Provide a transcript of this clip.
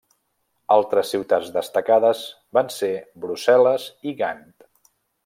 Altres ciutats destacades van ser Brussel·les i Gant.